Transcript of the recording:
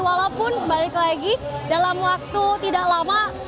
walaupun balik lagi dalam waktu tidak lama